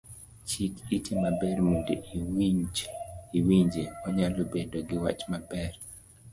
Chik iti maber mondo iwinje, onyalo bedo giwach maber.